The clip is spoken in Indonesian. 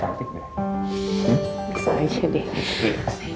bisa aja deh